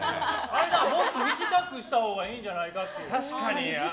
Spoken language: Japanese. もっと短くしたほうがいいんじゃないかなって。